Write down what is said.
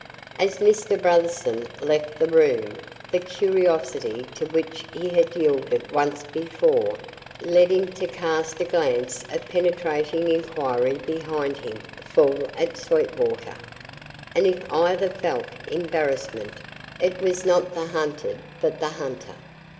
As Mr. Brotherson left the room, the curiosity to which he had yielded once before, led him to cast a glance of penetrating inquiry behind him full at Sweetwater, and if either felt embarrassment, it was not the hunted but the hunter.